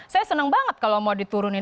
saya senang banget kalau mau diturunin